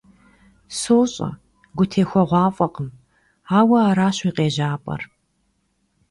СощӀэ, гутехуэгъуафӀэкъым, ауэ аращ уи къежьапӀэр.